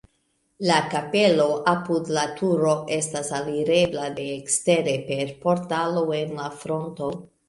La kapelo apud la turo estas alirebla de ekstere per portalo en la fronto.